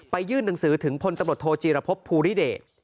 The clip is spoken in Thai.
ไปยื่นหนังสือถึงพตโทจิรพบภูริเดะ